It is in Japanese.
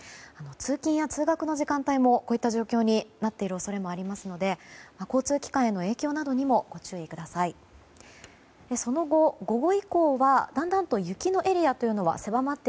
通勤や通学の時間帯もこういった状況になっている恐れもありますので交通機関への影響などにもご注意ください。